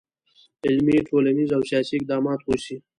علمي، ټولنیز، او سیاسي اقدامات وشي.